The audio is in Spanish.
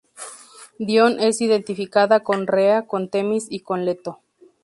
Dione es identificada con Rea, con Temis y con Leto.